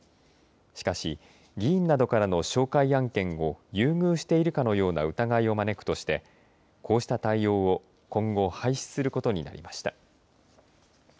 しかし議員などからの紹介案件を優遇しているかのような疑いを招くとしてこうした対応を今後廃止することになりました。